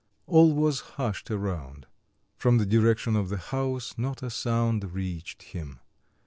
All was hushed around. From the direction of the house not a sound reached him.